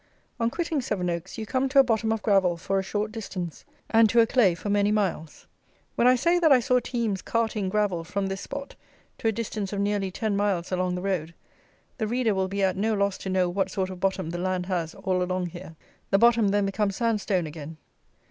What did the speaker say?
On quitting Seven Oaks you come to a bottom of gravel for a short distance, and to a clay for many miles. When I say that I saw teams carting gravel from this spot to a distance of nearly ten miles along the road, the reader will be at no loss to know what sort of bottom the land has all along here. The bottom then becomes sand stone again.